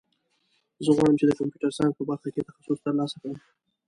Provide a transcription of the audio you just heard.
زه غواړم چې د کمپیوټر ساینس په برخه کې تخصص ترلاسه کړم